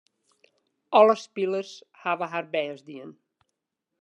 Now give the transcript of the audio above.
Alle spilers hawwe har bêst dien.